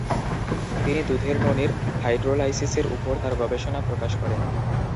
তিনি দুধের ননীর হাইড্রোলাইসিসের উপর তার গবেষণা প্রকাশ করেন।